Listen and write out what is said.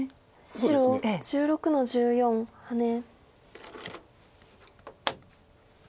白１６の十四ハネ。